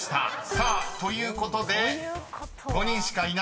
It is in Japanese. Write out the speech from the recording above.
［さあということで５人しかいない名門大チーム］